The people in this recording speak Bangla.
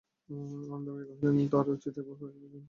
আনন্দময়ী কহিলেন, তোর উচিত একবার পরেশবাবুর কাছে যাওয়া।